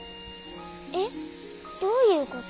えっどういうこと？